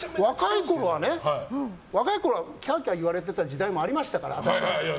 若いころはね、キャーキャー言われてた時代もありましたから。